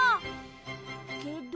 けど。